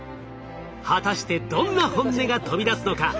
果たしてどんな本音が飛び出すのか？